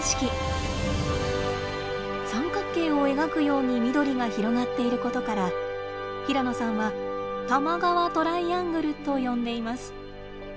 三角形を描くように緑が広がっていることから平野さんは「多摩川トライアングル」と呼んでいます。